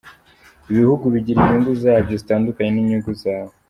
Ibihugu bigira inyungu zabyo zitandukanye n’inyungu zawe.